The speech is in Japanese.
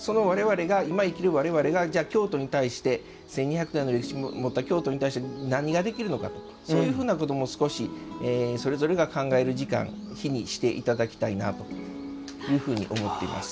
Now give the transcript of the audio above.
今、生きる我々が京都に対して１２００年の歴史を持った京都に対して何ができるのかということも少し、それぞれが考える時間日にしていただきたいなと思っています。